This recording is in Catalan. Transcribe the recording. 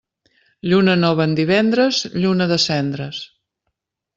Lluna nova en divendres, lluna de cendres.